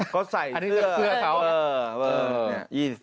เขาใส่เสื้อเบอร์นี่๒๓นี่